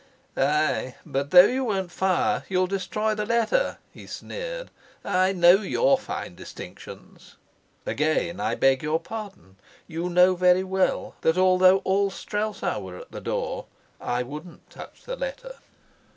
"Ay, but though you won't fire, you'll destroy the letter," he sneered. "I know your fine distinctions." "Again I beg your pardon. You know very well that, although all Strelsau were at the door, I wouldn't touch the letter."